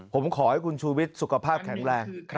ผมขอให้คุณชูวิทย์สุขภาพแข็งแรง